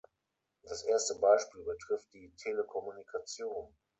Das erste Beispiel betrifft die Telekommunikation.